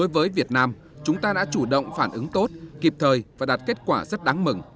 với việt nam chúng ta đã chủ động phản ứng tốt kịp thời và đạt kết quả rất đáng mừng